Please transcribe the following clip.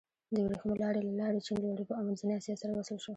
د ورېښمو لارې له لارې چین له اروپا او منځنۍ اسیا سره وصل شو.